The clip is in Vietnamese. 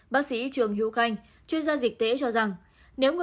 bác sĩ trường hiếu khanh chuyên gia dịch tễ cho rằng